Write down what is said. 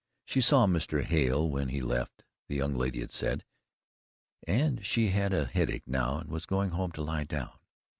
She SAW Mr. Hale when he left, the young lady had said; and she had a headache now and was going home to LIE down.